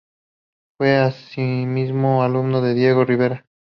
Fue asimismo alumno de Diego Rivera.